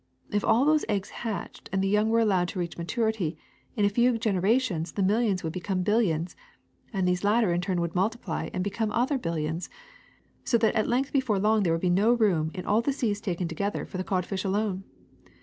If all those eggs hatched and the young were allowed to reach maturity, in a few generations the millions would become billions, and these latter would in turn multiply and become other billions, so that before long there would be no room in all the seas taken together for the codfish alone.